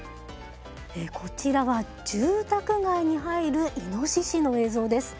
こちらは住宅街に入るイノシシの映像です。